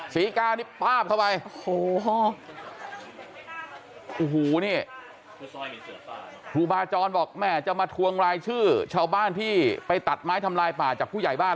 ศรีกานี่ป้าบเข้าไปโอ้โหนี่ครูบาจรบอกแม่จะมาทวงรายชื่อชาวบ้านที่ไปตัดไม้ทำลายป่าจากผู้ใหญ่บ้าน